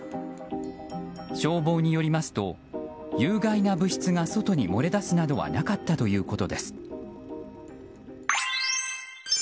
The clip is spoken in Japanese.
消防によりますと、有害な物質が外に漏れ出すなどはなかったということです。